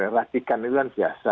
ratikan itu adalah biasa